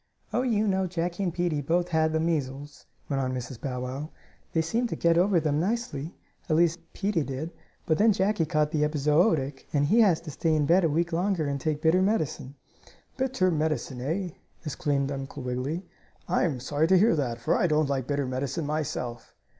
"Oh, you know Jackie and Peetie both had the measles," went on Mrs. Bow Wow. "They seemed to get over them nicely, at least Peetie did, but then Jackie caught the epizootic, and he has to stay in bed a week longer, and take bitter medicine." "Bitter medicine, eh?" exclaimed Uncle Wiggily. "I am sorry to hear that, for I don't like bitter medicine myself."